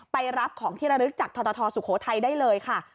ไปรับของที่ระลึกจากททสุโขทัยได้เลยค่ะ